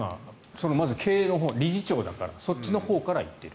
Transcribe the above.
まず、経営のほう、理事長だからそっちのほうから行っている。